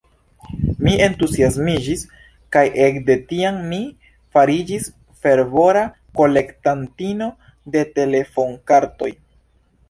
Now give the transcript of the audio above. Mi entuziasmiĝis kaj ekde tiam mi fariĝis fervora kolektantino de telefonkartoj.